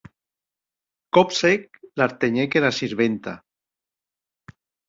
Còp sec, l'artenhec era sirventa.